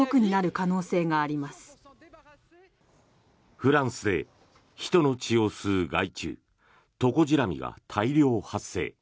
フランスで人の血を吸う害虫トコジラミが大量発生。